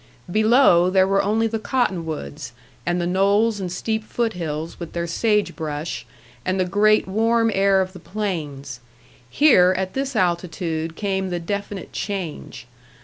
Below, there were only the cottonwoods, and the knolls and steep foot hills with their sage brush, and the great warm air of the plains; here at this altitude came the definite change.